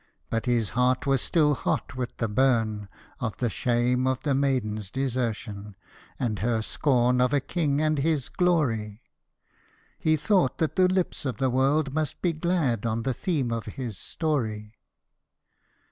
But his heart was still hot with the burn Of the shame of the maiden's desertion, and her scorn of a king and his glory ; He thought that the lips of the world must be glad on the theme of his story.